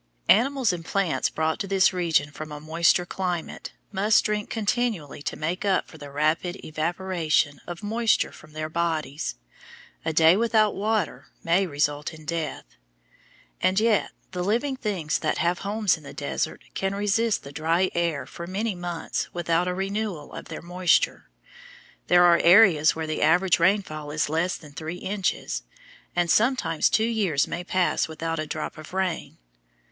Animals and plants brought to this region from a moister climate must drink continually to make up for the rapid evaporation of moisture from their bodies; a day without water may result in death. And yet the living things that have homes in the desert can resist the dry air for many months without a renewal of their moisture. There are areas where the average rainfall is less than three inches, and sometimes two years may pass without a drop of rain.